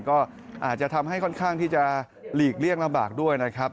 ก็อาจจะทำให้ค่อนข้างที่จะหลีกเลี่ยงลำบากด้วยนะครับ